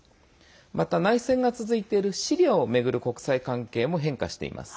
また、内戦が続くシリアを巡る国際関係も変化しています。